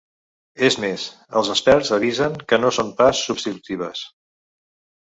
És més, els experts avisen que no són pas substitutives.